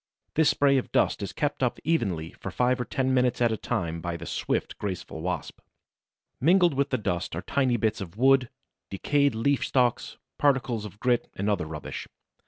This spray of dust is kept up evenly for five or ten minutes at a time by the swift, graceful Wasp. Mingled with this dust are tiny bits of wood, decayed leaf stalks, particles of grit and other rubbish.